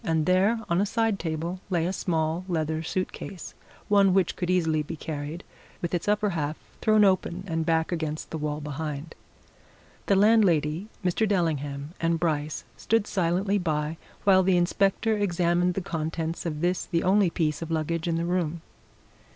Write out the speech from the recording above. And there, on a side table, lay a small leather suit case, one which could easily be carried, with its upper half thrown open and back against the wall behind. The landlady, Mr. Dellingham and Bryce stood silently by while the inspector examined the contents of this the only piece of luggage in the room.